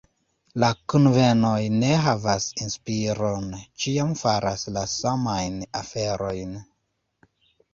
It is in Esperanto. La kunvenoj ne havas inspiron, ĉiam faras la samajn aferojn.